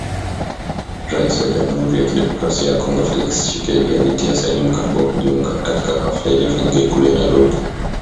Rais wa Jamhuri ya kidemokrasia ya Kongo Felix Tchisekedi alitia saini mkataba wa kujiunga, katika hafla iliyofanyika Ikulu ya Nairobi.